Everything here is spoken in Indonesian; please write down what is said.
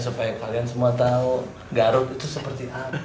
supaya kalian semua tahu garut itu seperti apa